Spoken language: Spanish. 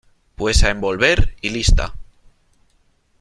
pues a envolver y lista .